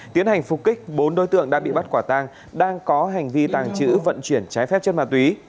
tiến hành phục kích bốn đối tượng đã bị bắt quả tang đang có hành vi tàng trữ vận chuyển trái phép chất ma túy